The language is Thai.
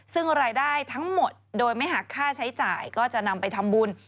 ซึ่งรายได้ทั้งหมดโดยไม่หักค่าใช้จ่ายก็จะนำไปทำบุญ